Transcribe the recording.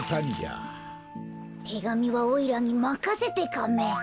てがみはおいらにまかせてカメ。